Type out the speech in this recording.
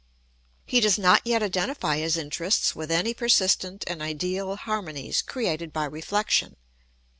He does not yet identify his interests with any persistent and ideal harmonies created by reflection.